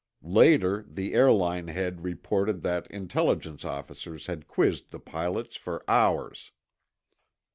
Later, the airline head reported that Intelligence officers had quizzed the pilots for hours.